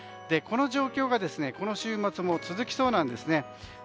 この状況がこの週末も続きそうです。